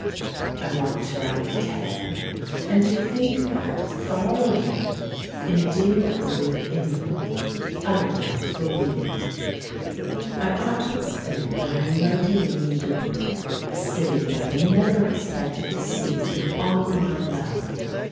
I want to write the tale, and to think that, far away in dear old England, other girls will read it. I ought to explain that I am writ ing in New York, a city that I never expected to see in all my life.